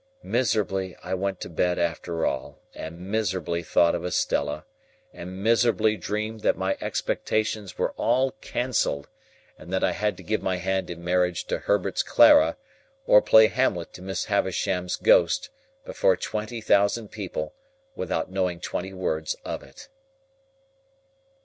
Miserably I went to bed after all, and miserably thought of Estella, and miserably dreamed that my expectations were all cancelled, and that I had to give my hand in marriage to Herbert's Clara, or play Hamlet to Miss Havisham's Ghost, before twenty thousand people, without knowing twenty words of it.